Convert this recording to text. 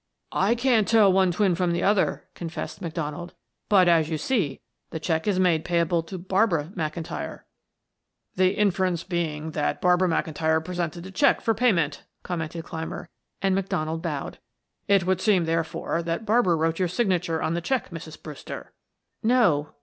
"I can't tell one twin from the other," confessed McDonald. "But, as you see, the check is made payable to Barbara McIntyre." "The inference being that Barbara McIntyre presented the check for payment," commented Clymer, and McDonald bowed. "It would seem, therefore, that Barbara wrote your signature on the check, Mrs. Brewster." "No."